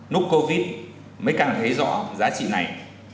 nút covid mới càng thấy rõ giá trị này